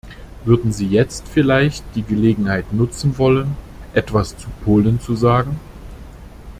Würden Sie jetzt vielleicht die Gelegenheit nutzen wollen, etwas zu Polen zu sagen?